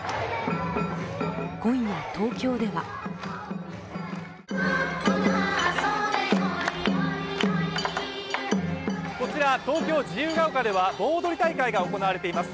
今夜、東京ではこちら東京・自由が丘では盆踊り大会が行われています。